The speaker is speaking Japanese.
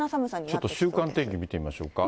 ちょっと週間天気、見てみましょうか。